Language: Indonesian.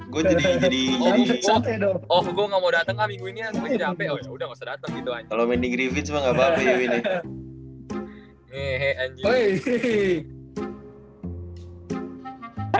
gue jadi jadi oh gue nggak mau datang minggu ini aja udah nggak usah datang gitu aja